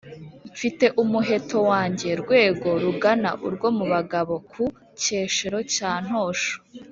mfite umuheto wanjye Rwego rugana urwo mu bagabo ku Cyeshero cya Ntosho,